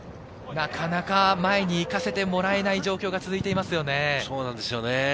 なかなか前に行かせてもらえない状況が続いていますね。